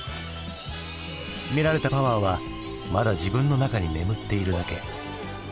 秘められたパワーはまだ自分の中に眠っているだけ。